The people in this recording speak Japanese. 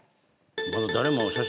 まだ誰も写真で一